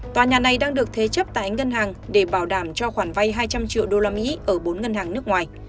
tòa nhà này đang được thế chấp tại ngân hàng để bảo đảm cho khoản vay hai trăm linh triệu usd ở bốn ngân hàng nước ngoài